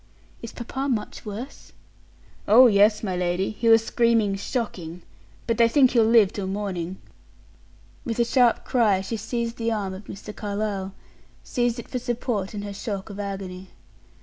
"Is papa much worse?" "Oh, yes, my lady; he was screaming shocking. But they think he'll live till morning." With a sharp cry, she seized the arm of Mr. Carlyle seized it for support in her shock of agony.